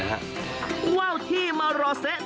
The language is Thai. ว่าวที่มารอเซะ